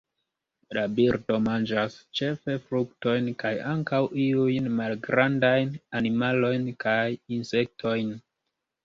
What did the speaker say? La birdo manĝas ĉefe fruktojn kaj ankaŭ iujn malgrandajn animalojn kaj insektojn.